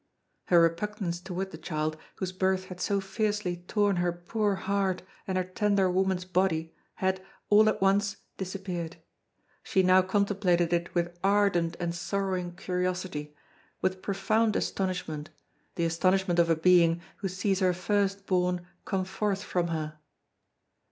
Her repugnance toward the child, whose birth had so fiercely torn her poor heart and her tender woman's body had, all at once, disappeared; she now contemplated it with ardent and sorrowing curiosity, with profound astonishment, the astonishment of a being who sees her firstborn come forth from her.